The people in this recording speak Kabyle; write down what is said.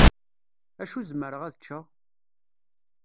Acu zemreɣ ad ččeɣ?